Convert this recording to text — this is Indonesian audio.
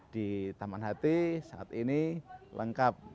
di taman hati saat ini lengkap